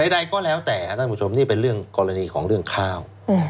ใดก็แล้วแต่ท่านผู้ชมนี่เป็นเรื่องกรณีของเรื่องข้าว